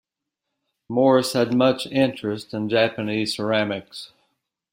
Morse had much interest in Japanese ceramics.